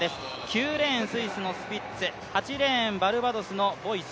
９レーンスイスのスピッツ、９レーンバルバドスボイス。